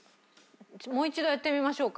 もう一度やってみましょうか？